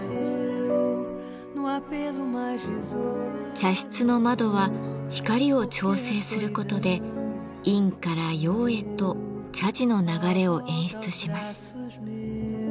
茶室の窓は光を調整することで「陰」から「陽」へと茶事の流れを演出します。